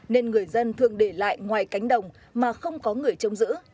nên người dân thường để lại ngoài cánh đồng mà không có người trông giữ